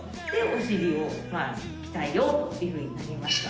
お尻を鍛えようというふうになりました。